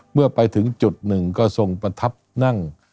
เมื่อไปถึงจุดหนึ่งก็ทรงประทับนั่ง